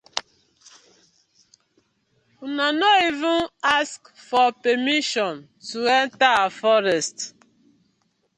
Una no even ask for permission to enter our forest.